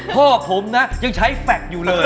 พ่อผมนะยังใช้แฟคอยู่เลย